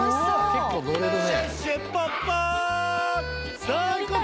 結構乗れるね。